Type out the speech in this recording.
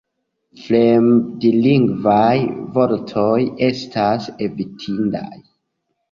Fremdlingvaj vortoj estas evitindaj.